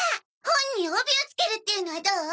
本に帯をつけるっていうのはどう？